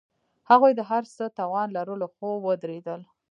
هغوی د هر څه توان لرلو، خو ودریدل.